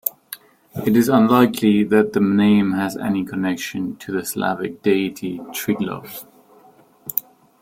It is unlikely that the name has any connection to the Slavic deity Triglav.